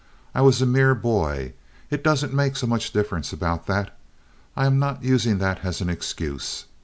I was a mere boy. It doesn't make so much difference about that. I am not using that as an excuse.